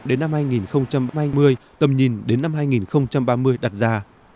đến năm hai nghìn ba mươi tầm nhìn đến năm hai nghìn ba mươi đặt ra